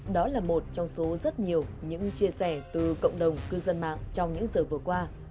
đó là một trong số rất nhiều những chia sẻ từ cộng đồng cư dân mạng trong những giờ vừa qua